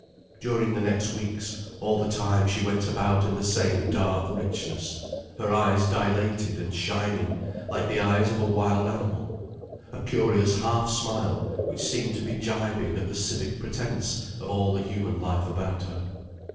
During the next weeks, all the time she went about in the same dark richness, her eyes dilated and shining like the eyes of a wild animal, a curious half smile which seemed to be gibing at the civic pretence of all the human life about her.